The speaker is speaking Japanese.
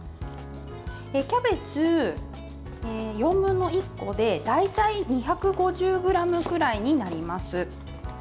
キャベツ４分の１個で大体２５０ｇくらいになります。